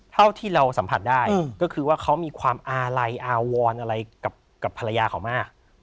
เท่าที่เราสัมผัสได้ก็คือว่าเขามีความอาลัยอาวรอะไรกับภรรยาเขามาก